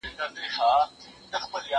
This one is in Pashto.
ما مخکي د سبا لپاره د کور کارونه کړي وو!